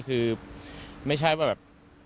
คือไม่ใช่ว่าแบบ